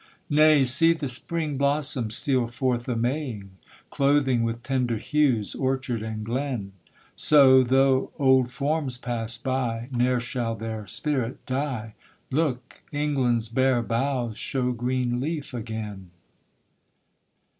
Nay! see the spring blossoms steal forth a maying, Clothing with tender hues orchard and glen; So, though old forms pass by, ne'er shall their spirit die, Look! England's bare boughs show green leaf again.